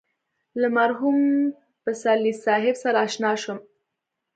له مرحوم پسرلي صاحب سره اشنا شوم.